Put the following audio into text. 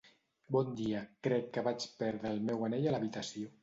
Bon dia, crec que vaig perdre el meu anell a la habitació.